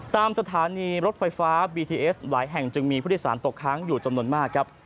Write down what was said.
ตามสถานีรถไฟฟ้าบีทีเอสหลายแห่งจึงมีผู้โดยสารตกค้างอยู่จำนวนมากครับ